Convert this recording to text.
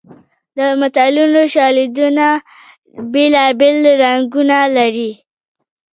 د متلونو شالیدونه بېلابېل رنګونه لري